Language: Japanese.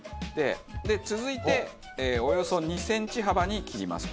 続いておよそ２センチ幅に切ります。